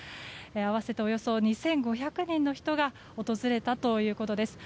合わせておよそ２５００人の人が訪れたということです。